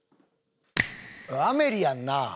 『アメリ』やんな？